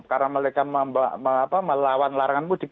karena mereka melawan larangan mudik